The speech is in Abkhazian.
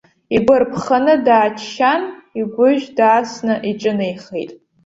Игәарԥханы дааччан, игәыжь даасны иҿынеихеит.